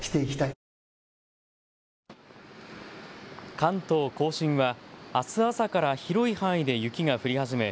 関東甲信はあす朝から広い範囲で雪が降り始め